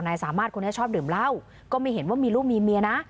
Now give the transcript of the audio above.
นายสามารถคนนี้ชอบดื่มเหล้าก็ไม่เห็นว่ามีลูกมีเมียนะ